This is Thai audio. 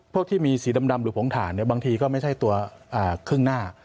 พวกที่มีสีดำหรือผงถ่านบางทีก็ไม่ใช่ตัวครึ่งหน้า